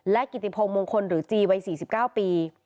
กิติพงศ์มงคลหรือจีวัย๔๙ปี